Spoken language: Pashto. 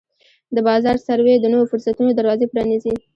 د بازار سروې د نویو فرصتونو دروازې پرانیزي.